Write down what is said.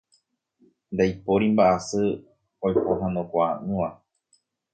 Ndaipóri mba'asy oipohãnokuaa'ỹva.